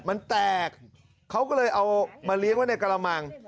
มันแตกเขาก็เลยเอามาเลี้ยงไว้ในกระมัง